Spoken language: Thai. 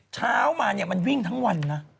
เช้ามามันวิ่งทั้งวัน